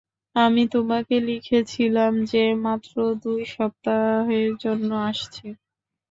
আমি তোমাকে লিখেছিলাম যে, মাত্র দুই সপ্তাহের জন্য আসছি।